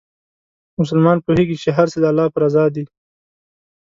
مسلمان پوهېږي چې هر څه د الله په رضا دي.